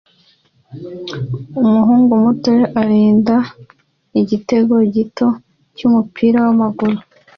Umuhungu muto arinda igitego gito cyumupira wamaguru